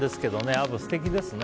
アブ、素敵ですね。